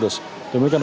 demikian terima kasih